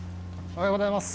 おはようございます。